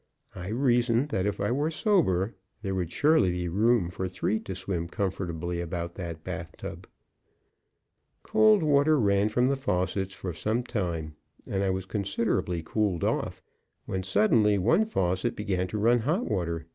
I reasoned that, if I were sober, there would surely be room for three to swim comfortably about that bathtub. Cold water ran from the faucets for some time and I was considerably cooled off, when, suddenly, one faucet began to run hot water.